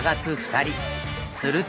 すると。